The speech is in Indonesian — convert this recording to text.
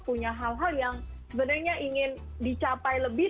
punya hal hal yang sebenarnya ingin dicapai lebih